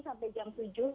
sampai jam tujuh